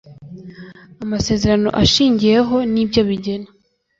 Amasezerano Ashingiyeho Ni Byo Bigena